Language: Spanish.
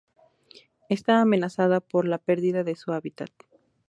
Está amenazada por la perdida de su hábitat.